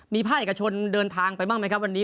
มีภาคเอกชนเดินทางไปบ้างไหมครับวันนี้